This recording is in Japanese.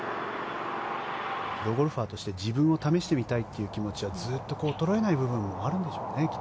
プロゴルファーとして自分を試してみたい気持ちはずっと衰えない部分もあるんでしょうね。